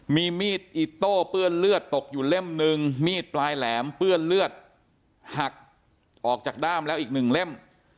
มีมีดอิโต้เปื้อนเลือดตกอยู่เล่มนึงมีดปลายแหลมเปื้อนเลือดหักออกจากด้ามแล้วอีกหนึ่งเล่ม